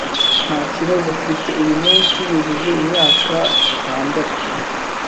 nta kibazo afite, uyu munsi yujuje imyaka itandatu